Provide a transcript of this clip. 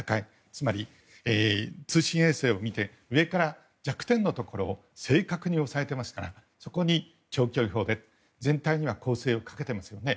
つまり通信衛星を見て上から弱点のところを正確に押さえてますからそこに長距離砲で全体には攻勢をかけていますよね。